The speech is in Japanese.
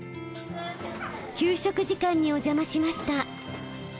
給食時間にお邪魔しました。